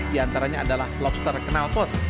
di antaranya adalah lobster kenalpot